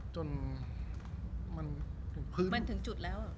จนมันถึงจุดแล้ว